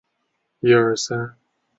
属会川路。